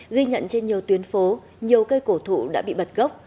ghi nhận trên nhiều tuyến phố nhiều cây cổ thụ đã bị bật gốc